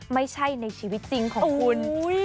ไม่ใช่ในชีวิตจริงของคุณ